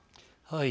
はい。